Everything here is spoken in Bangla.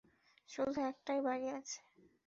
শুধু একটাই বাড়ি আছে।